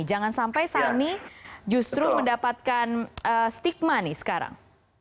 jangan sampai sani justru mendapatkan stigma nih sekarang